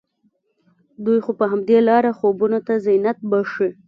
دوی خو په همدې لاره خوبونو ته زينت بښي